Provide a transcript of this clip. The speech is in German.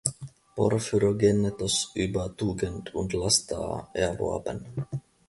Porphyrogennetos über Tugend und Laster erworben.